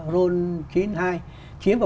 roll chín mươi hai chiếm vào